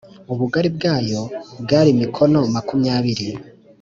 ubugari bwayo bwari mikono makumyabiri